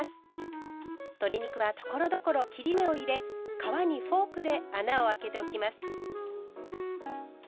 鶏肉はところどころ切り目を入れ皮にフォークで穴をあけておきます。